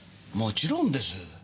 もちろんです。